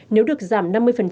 nếu được giảm năm mươi